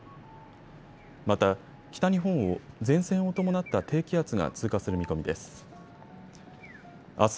また、北日本を前線を伴った低気圧が通過する見込みです。